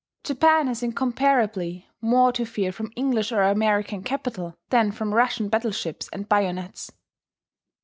Japan has incomparably more to fear from English or American capital than from Russian battleships and bayonets.